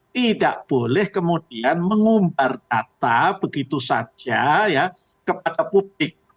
tidak boleh kemudian mengumbar data begitu saja ya kepada publik